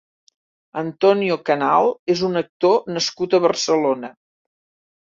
Antonio Canal és un actor nascut a Barcelona.